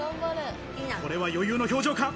これは余裕の表情か。